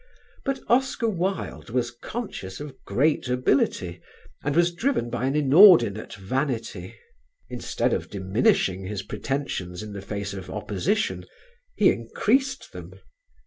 But Oscar Wilde was conscious of great ability and was driven by an inordinate vanity. Instead of diminishing his pretensions in the face of opposition he increased them.